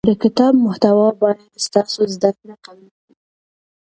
د کتاب محتوا باید ستاسو زده کړه قوي کړي.